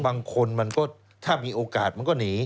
บางคนมันก็ถ้ามีโอกาสมันก็หนี